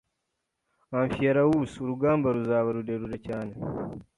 Amphiaraus urugamba ruzaba rurerure cyane